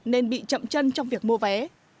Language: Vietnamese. nên bị chậm chân trong việc mua vé